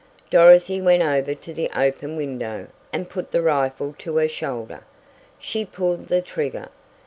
Dorothy went over to the open window and put the rifle to her shoulder. She pulled the trigger.